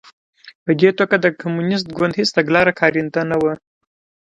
په دې توګه د کمونېست ګوند هېڅ تګلاره کارنده نه وه